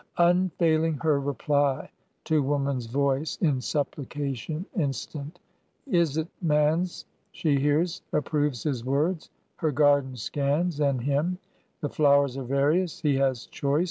Unfailing her reply to woman's voice In supplication instant. Is it man's, She hears, approves his words, her garden scans, And him: the flowers are various, he has choice.